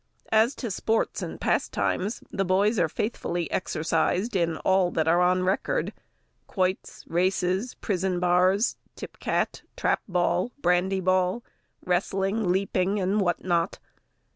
As to sports and pastimes, the boys are faithfully exercised in all that are on record, quoits, races, prison bars, tipcat, trap ball, bandy ball, wrestling, leaping, and what not.